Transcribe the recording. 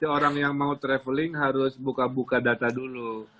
orang yang mau traveling harus buka buka data dulu